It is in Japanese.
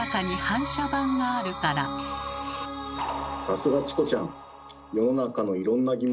さすがチコちゃん！